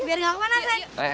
biar gak kemana sen